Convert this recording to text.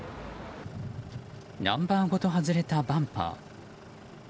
ナンバーごと外れたバンパー。